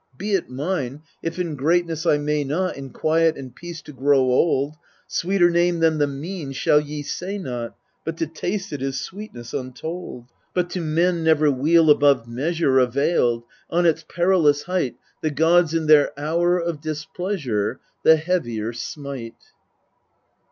Be it mine, if in greatness I may not, In quiet and peace to grow old. Sweeter name than " The Mean " shall ye say not ; But to taste it is sweetness untold. But to men never weal above measure Availed : on its perilous height The gods in their hour of displeasure The heavier smite.